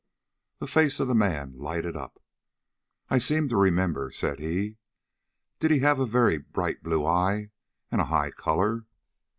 The face of the man lighted up. "I seem to remember," said he. "Did he have a very bright blue eye and a high color?"